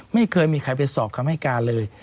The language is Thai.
ไม่เคยมีใครไปสอบคำให้การเลย